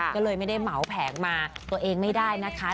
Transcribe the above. ก็เลยไม่ได้เหมาแผงมาตัวเองไม่ได้นะคะ